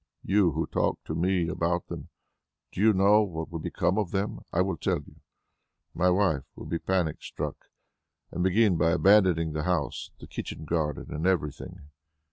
You who talk to me about them, do you know what will become of them? I will tell you. My wife will be panic struck and begin by abandoning the house, the kitchen garden and everything.